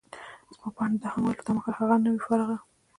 زما په اند، ده دا هم وویل چي دا مهال هغه، نه وي فارغه.